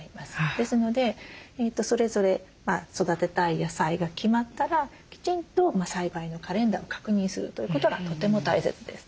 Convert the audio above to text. ですのでそれぞれ育てたい野菜が決まったらきちんと栽培のカレンダーを確認するということがとても大切です。